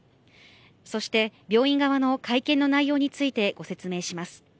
そして病院側の会見の内容について説明します。